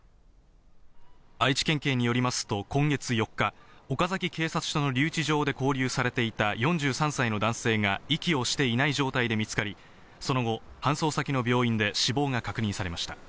愛知県警によりますと今月４日、岡崎警察署の留置場で勾留されていた４３歳の男性が息をしていない状態で見つかり、その後、搬送先の病院で死亡が確認されました。